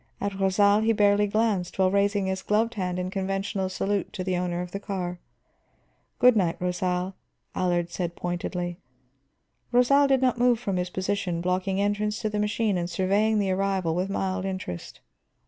At Rosal he barely glanced while raising his gloved hand in conventional salute to the owner of the car. "Good night, Rosal," Allard said pointedly. Rosal did not move from his position, blocking entrance to the machine and surveying the arrival with mild interest.